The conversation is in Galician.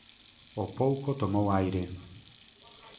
Ó pouco tomou aire.